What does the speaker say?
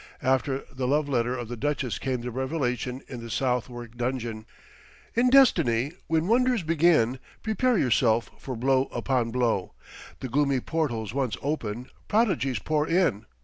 After the love letter of the duchess came the revelation in the Southwark dungeon. In destiny, when wonders begin, prepare yourself for blow upon blow. The gloomy portals once open, prodigies pour in.